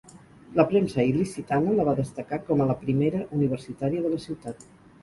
La premsa il·licitana la va destacar com a la primera universitària de la ciutat.